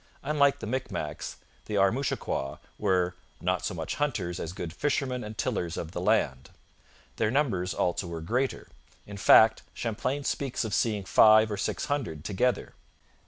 Unlike the Micmacs, the Armouchiquois were 'not so much hunters as good fishermen and tillers of the land.' Their numbers also were greater; in fact, Champlain speaks of seeing five or six hundred together.